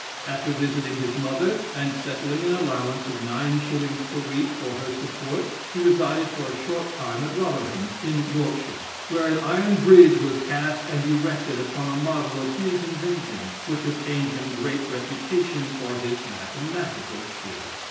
After visiting his mother, and settling an allowance of nine shillings per week for her support, he resided for a short time at Rotherham, in Yorkshire, where an iron bridge was cast and erected upon a model of his invention, which obtained him great reputation for his mathematical skill.